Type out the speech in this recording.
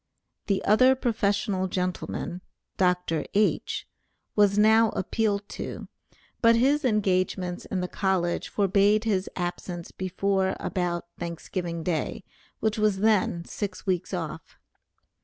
The other professional gentleman (Dr. H.), was now appealed to, but his engagements in the college forbade his absence before about Thanksgiving day, which was then six weeks off.